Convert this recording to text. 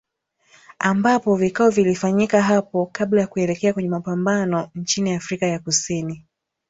Ambapo vikao vilifanyika hapo kabla ya kuelekea kwenye mapambano nchini Afrika ya Kusini